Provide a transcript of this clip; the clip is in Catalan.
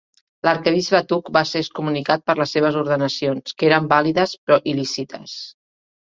L'arquebisbe Thuc va ser excomunicat per les seves ordenacions, que eren vàlides, però il·lícites.